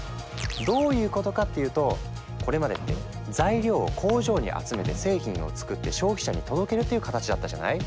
どういうことかっていうとこれまでって材料を工場に集めて製品を作って消費者に届けるという形だったじゃない？